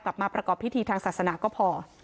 กลับมาประกอบพิธีทางศาสนาก็พอ